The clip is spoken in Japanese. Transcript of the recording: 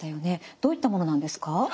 どういったものなんですか？